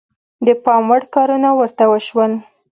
د پام وړ کارونه ورته وشول.